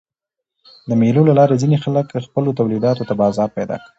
د مېلو له لاري ځيني خلک خپلو تولیداتو ته بازار پیدا کوي.